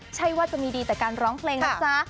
ใช่ว่าจะมีดีแต่การร้องเพลงนะจ๊ะ